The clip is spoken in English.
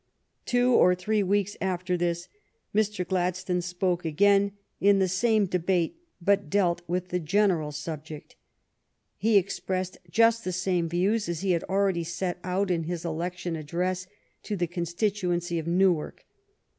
Two or three weeks after this Mr. Gladstone spoke again in the GLADSTONE'S FIRST PARLIAMENT 45 same debate, but dealt with the general subject. He expressed just the same views as he had already set out in his election address to the constituency of Newark.